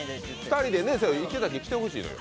２人で池崎来てほしいのよ。